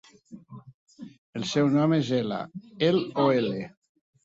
El seu nom és ela, el o ele.